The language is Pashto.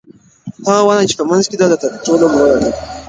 هغه ونه چې په منځ کې ده تر ټولو لوړه ده.